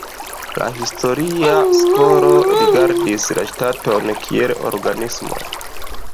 La historia skolo rigardis la ŝtaton kiel organismon.